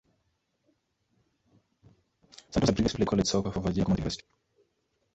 Santos had previously played college soccer for Virginia Commonwealth University.